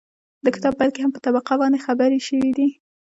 د کتاب پيل کې هم په طبقه باندې خبرې شوي دي